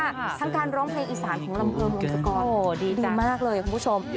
ทั้งการร้องเพลงอีสานของลำเพลินวงศกรดีมากเลยคุณผู้ชม